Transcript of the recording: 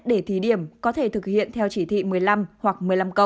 để thí điểm có thể thực hiện theo chỉ thị một mươi năm hoặc một mươi năm